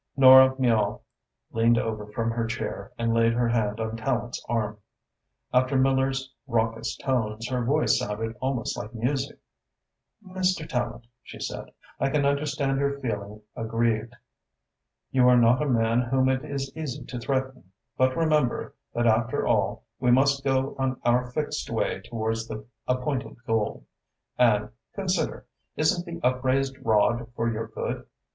Nora Miall leaned over from her chair and laid her hand on Tallente's arm. After Miller's raucous tones, her voice sounded almost like music. "Mr. Tallente," she said, "I can understand your feeling aggrieved. You are not a man whom it is easy to threaten, but remember that after all we must go on our fixed way towards the appointed goal. And consider isn't the upraised rod for your good?